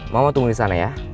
mau tunggu di sana ya